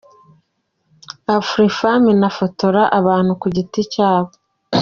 Afrifame inafotora abantu ku giti cyabo .